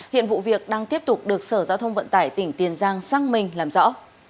hiện vụ việc đang tiếp tục được sở giao thông vận tải tỉnh tiền giang xăng mình làm rõ